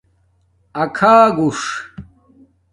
اکھاگݹس